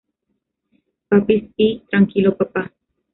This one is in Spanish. Papis" y "Tranquilo papá".